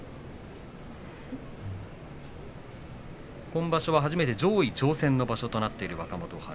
今場所は初めて上位挑戦の場所となっている若元春。